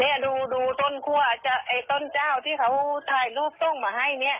เนี่ยดูต้นคั่วไอ้ต้นเจ้าที่เขาถ่ายรูปทรงมาให้เนี่ย